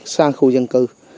xa khu dân cư